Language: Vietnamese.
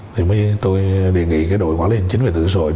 thì tôi đề nghị đội quản lý hình chính về tự do rồi